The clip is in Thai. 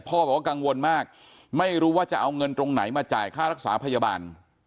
บอกว่ากังวลมากไม่รู้ว่าจะเอาเงินตรงไหนมาจ่ายค่ารักษาพยาบาล